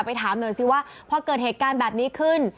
ถามหน่อยสิว่าพอเกิดเหตุการณ์แบบนี้ขึ้น